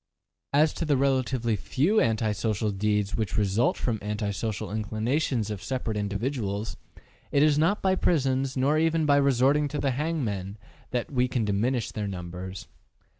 As to the relatively few anti social deeds which result from anti social inclinations of separate individuals, it is not by prisons, nor even by resorting to the hangmen, that we can diminish their numbers.